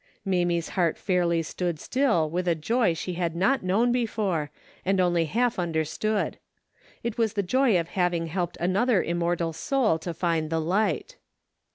Mamie's heart fairly stood still Avith a joy she had not known before and only half un derstood. It Avas the joy of having helped another immortal soul to find the Light.